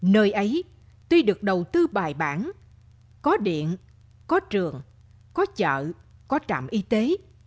nơi ấy tuy được đầu tư bài bản có điện có trường có chợ có trạm y tế